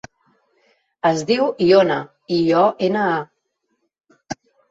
Es diu Iona: i, o, ena, a.